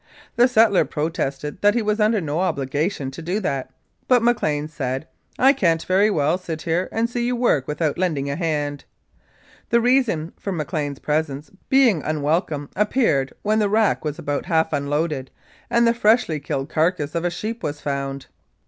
The settler protested that he was under no obligation to do that, but McLean said, "I can't very well sit here and see you work without lending a hand." The reason for McLean's presence being unwelcome appeared when the rack was about half unloaded, and the freshly killed carcass of a sheep was found.